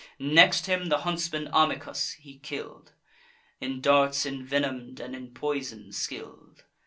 Next him, the huntsman Amycus he kill'd, In darts envenom'd and in poison skill'd.